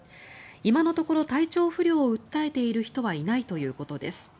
今のところ体調不良を訴えている人はいないということです。